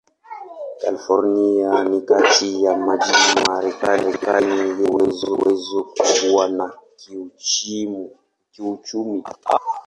California ni kati ya majimbo ya Marekani yenye uwezo mkubwa wa kiuchumi.